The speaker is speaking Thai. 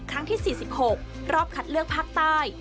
ครั้งที่๔๖รอบคัดเลือกภาคใต้